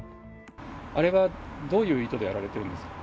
あれはどういう意図でやられてるんですか？